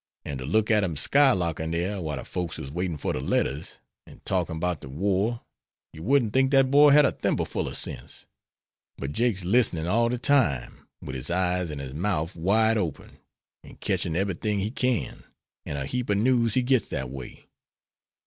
An' to look at him skylarking dere while de folks is waitin' for dere letters, an' talkin' bout de war, yer wouldn't think dat boy had a thimbleful of sense. But Jake's listenin' all de time wid his eyes and his mouf wide open, an' ketchin' eberything he kin, an' a heap ob news he gits dat way.